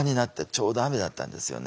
ちょうど雨だったんですよね。